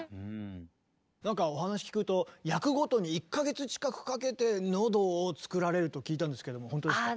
お話聞くと役ごとに１か月近くかけてのどを作られると聞いたんですけども本当ですか？